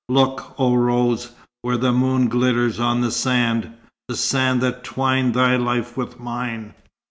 Look, oh Rose, where the moon glitters on the sand the sand that twined thy life with mine.